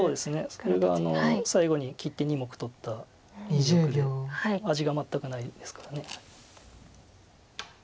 それが最後に切って２目取った魅力で味が全くないですから。